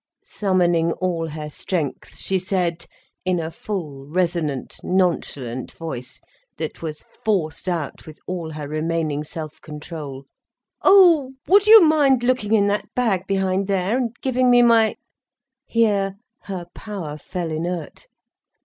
Summoning all her strength, she said, in a full, resonant, nonchalant voice, that was forced out with all her remaining self control: "Oh, would you mind looking in that bag behind there and giving me my—" Here her power fell inert.